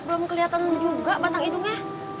belum kelihatan juga batang hidungnya